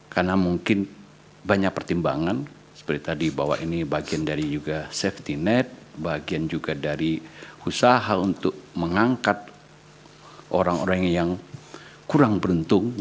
karena mungkin banyak pertimbangan seperti tadi bahwa ini bagian dari juga safety net bagian juga dari usaha untuk mengangkat orang orang yang kurang beruntung